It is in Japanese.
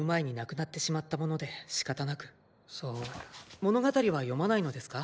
物語は読まないのですか？